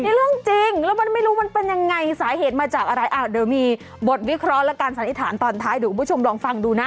นี่เรื่องจริงแล้วมันไม่รู้มันเป็นยังไงสาเหตุมาจากอะไรอ่ะเดี๋ยวมีบทวิเคราะห์และการสันนิษฐานตอนท้ายเดี๋ยวคุณผู้ชมลองฟังดูนะ